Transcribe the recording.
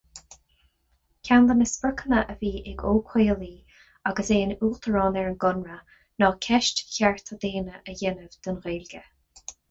Ceann de na spriocanna a bhí ag Ó Caollaí agus é ina uachtarán ar an gConradh ná ceist chearta daonna a dhéanamh den Ghaeilge.